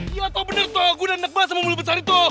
iya tau bener tau gue udah nekbah sama mulut besar itu